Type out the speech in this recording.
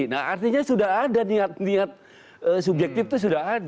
nah artinya sudah ada niat niat subjektif itu sudah ada